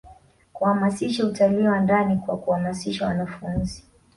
kuhamasisha utali wa ndani kwa kuhamasisha wanafunzi